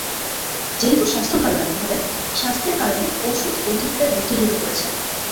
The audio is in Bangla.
যেহেতু স্বাস্থ্য ভালো রাখতে হবে, স্বাস্থ্যের কারণে ওষুধ বন্ধুত্বের মধ্যে ঢুকে পড়েছে।